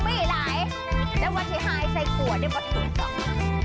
เฮียดาวข้าวอีนาบ๊ายบาย